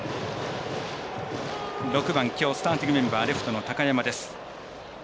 ６番きょうスターティングメンバーレフトの高山です。